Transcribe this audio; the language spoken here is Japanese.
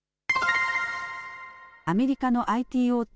アメリカのＩＴ大手